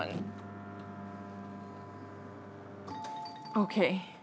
ＯＫ。